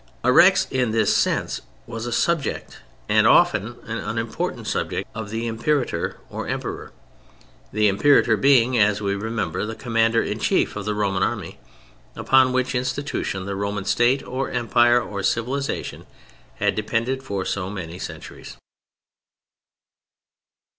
A Rex in this sense was a subject and often an unimportant subject of the Imperator or Emperor: the Imperator being, as we remember, the Commander in Chief of the Roman Army, upon which institution the Roman State or Empire or civilization had depended for so many centuries.